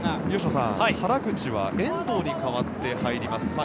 吉野さん、原口は遠藤に代わって入ります。